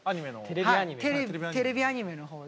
テレビアニメの方で。